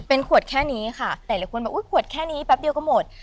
เป็นขวดแค่นี้หลายคนปึ่งแค่นี้แป๊บเดียวก็หมด